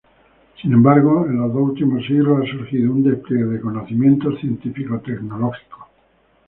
Sin embargo, en los dos últimos siglos, ha surgido un despliegue de conocimientos científico-tecnológicos.